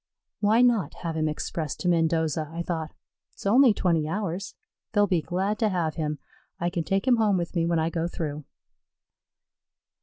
"Why not have him expressed to Mendoza?" I thought. "It's only twenty hours; they'll be glad to have him. I can take him home with me when I go through."